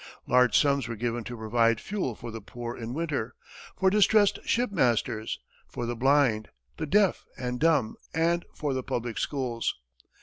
Large sums were given to provide fuel for the poor in winter, for distressed ship masters, for the blind, the deaf and dumb, and for the public schools.